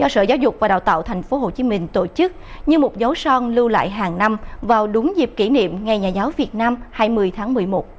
năm học vừa qua nhà trường tạo thi đua xuất sắc các chỉ tiêu bản do sở giáo dục và đào tạo tp hcm tổ chức như một dấu son lưu lại hàng năm vào đúng dịp kỷ niệm ngày nhà giáo việt nam hai mươi tháng một mươi một